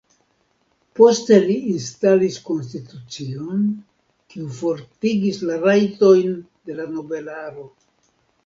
Poste li instalis konstitucion, kiu fortigis la rajtojn de la nobelaro.